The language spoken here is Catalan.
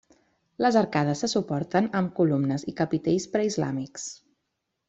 Les arcades se suporten amb columnes i capitells preislàmics.